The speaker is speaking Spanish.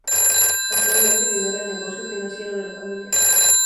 Actualmente lidera el negocio financiero de la familia.